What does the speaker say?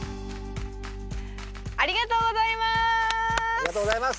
ありがとうございます！